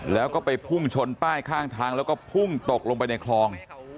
แล้วก็ไปพุ่งชนป้ายข้างทางแล้วก็พุ่งตกลงไปในคลอง